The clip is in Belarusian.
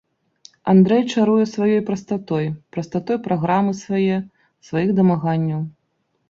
Андрэй чаруе сваёй прастатой, прастатой праграмы свае, сваіх дамаганняў.